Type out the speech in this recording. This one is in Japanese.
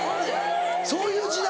そういう時代？